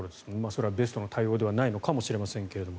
それはベストな対応ではないのかもしれませんが。